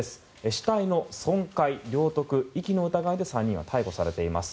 死体の損壊、領得、遺棄の疑いで３人は逮捕されています。